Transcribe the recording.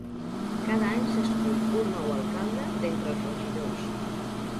Cada any s'escull un nou alcalde d'entre els regidors.